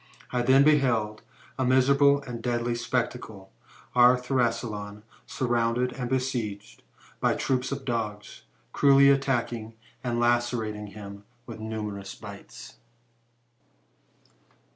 I then beheld a miserable and deadly spectacle, our Thrasyleon surrounded and besieged by troops of dogs, cruelly attacking and lacerating him with numerous bites.